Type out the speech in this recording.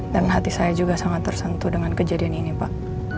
dan hati saya juga sangat tersentuh dengan kejadian ini pak